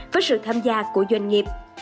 với sự tham gia của doanh nghiệp